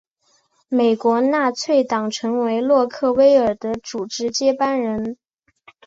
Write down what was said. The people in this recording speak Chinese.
美国纳粹党成为洛克威尔的组织接班人。